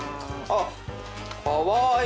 あっかわいい。